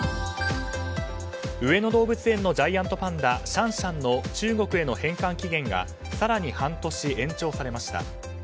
上野動物園のジャイアントパンダシャンシャンの中国への返還期限が更に半年、延長されました。